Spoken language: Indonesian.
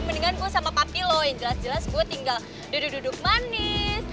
mendingan gue sama papi loh yang jelas jelas gue tinggal duduk duduk manis